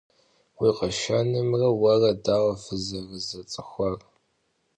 Vui kheşşenımre vuere daue fızerızets'ıxuar?